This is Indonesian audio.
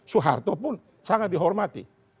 suharto pun sangat dihormati